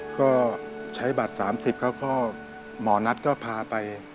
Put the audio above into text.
ก็ใช้บัตร๓๐เขาก็หมอนัทก็พาไป